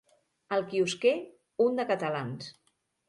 El quiosquer un de catalans.